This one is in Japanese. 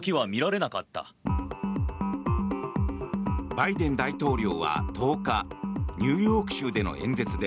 バイデン大統領は１０日ニューヨーク州での演説で